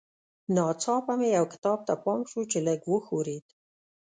ناڅاپه مې یو کتاب ته پام شو چې لږ وښورېد